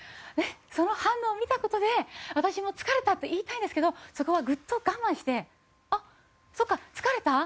その反応を見た事で「私も疲れた」って言いたんですけどそこはグッと我慢して「あっそっか疲れた？」